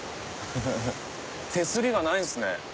手すりがないんですね